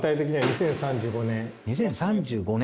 ２０３５年？